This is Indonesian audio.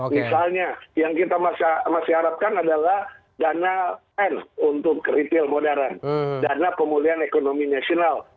misalnya yang kita masih harapkan adalah dana n untuk retail modern dana pemulihan ekonomi nasional